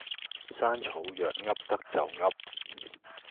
山草藥噏得就噏